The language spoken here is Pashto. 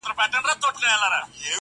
• رابولې زر مخونه د خپل مخ و تماشې ته..